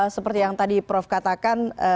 seperti yang tadi prof katakan